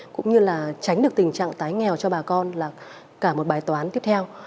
cũng như là tránh được tình trạng tái nghèo cho bà con là cả một bài toán tiếp theo